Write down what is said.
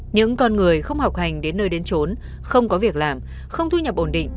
những con người không học hành đến nơi đến trốn không có việc làm không thu nhập ổn định